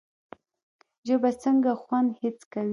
ژبه څنګه خوند حس کوي؟